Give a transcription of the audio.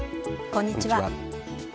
こんにちは。